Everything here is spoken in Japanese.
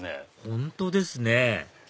本当ですね